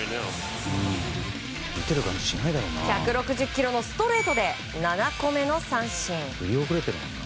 １６０キロのストレートで７個目の三振。